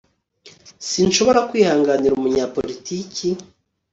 Sinshobora kwihanganira umunyapolitiki